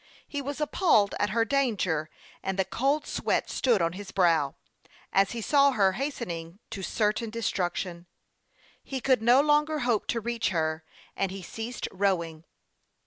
He was appalled at her danger, and the cold sweat stood on his brow, as he saw her hastening to certain destruction. He could no longer hope to reach her, and he ceased rowing.